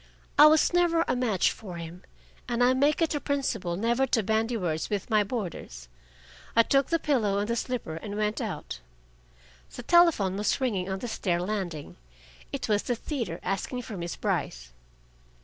I was never a match for him, and I make it a principle never to bandy words with my boarders. I took the pillow and the slipper and went out. The telephone was ringing on the stair landing. It was the theater, asking for Miss Brice.